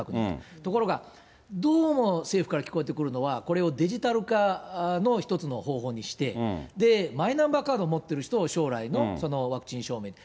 ところが、どうも政府から聞こえてくるのは、これをデジタル化の一つの方法にして、マイナンバーカードを持ってる人を将来のワクチン証明にと。